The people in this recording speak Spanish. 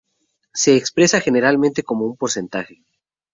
Se expresa generalmente como un porcentaje.